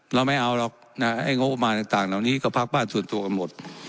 เราไม่เอาหรอกนะไอ้งบประมาณต่างเหล่านี้ก็พักบ้านส่วนตัวกันหมด